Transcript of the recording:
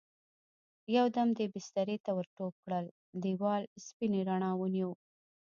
يو دم يې بسترې ته ور ټوپ کړل، دېوال سپينې رڼا ونيو.